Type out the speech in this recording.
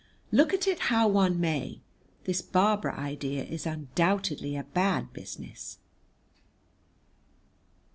Look at it how one may, this Barbara idea is undoubtedly a bad business.